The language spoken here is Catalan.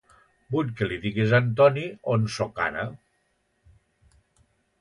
Vull que li diguis a en Toni on soc ara.